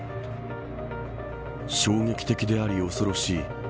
衝撃的であり恐ろしい。